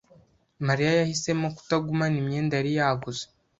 Mariya yahisemo kutagumana imyenda yari yaguze.